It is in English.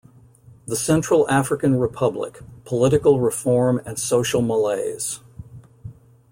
The Central African Republic: Political Reform and Social Malaise.